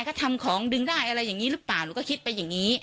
ก็ทำของดึงได้อะไรอย่างนี้หรือเปล่าหนูก็คิดไปอย่างนี้